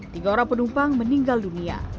tiga orang penumpang meninggal dunia